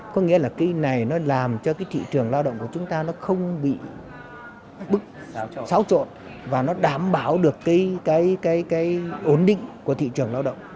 có nghĩa là cái này nó làm cho cái thị trường lao động của chúng ta nó không bị bức xáo trộn và nó đảm bảo được cái ổn định của thị trường lao động